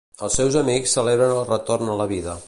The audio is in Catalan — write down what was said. Els seus amics celebren el retorn a la vida.